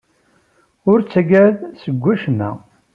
Ur ttaggad seg wacemma.